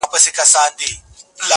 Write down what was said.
مرغۍ الوتې وه، خالي قفس ته ودرېدم